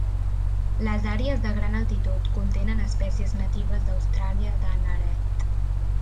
Les àrees de gran altitud contenen espècies natives d'Austràlia de neret.